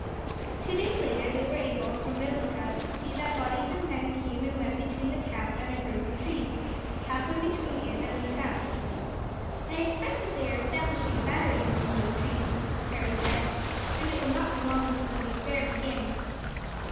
Two days later they were able, from their lookout, to see that bodies of men came and went between the camp and a group of trees, halfway between it and the town. "I expect that they are establishing a battery among those trees," Harry said, "and it will not be long before the affair begins."